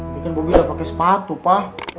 bikin bobi udah pake sepatu pa